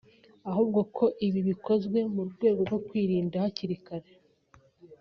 ahubwo ko ibi bikozwe mu rwego rwo kwirinda hakiri kare